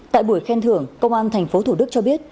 tại buổi khen thưởng công an tp thủ đức cho biết